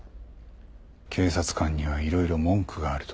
警察官には色々文句があると。